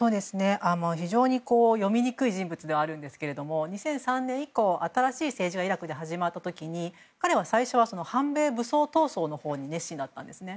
非常に読みにくい人物ではあるんですが、２００３年以降新しい政治がイラクで始まった時に彼は最初は反米武装闘争のほうに熱心だったんですね。